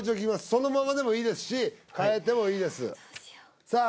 そのままでもいいですし変えてもいいですさあ